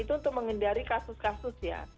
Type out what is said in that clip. itu untuk menghindari kasus kasus ya